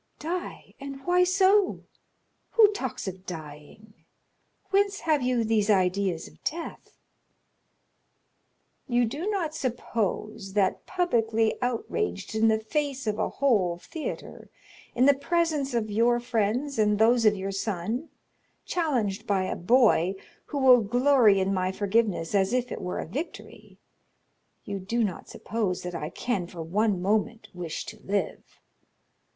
"Die? and why so? Who talks of dying? Whence have you these ideas of death?" "You do not suppose that, publicly outraged in the face of a whole theatre, in the presence of your friends and those of your son—challenged by a boy who will glory in my forgiveness as if it were a victory—you do not suppose that I can for one moment wish to live.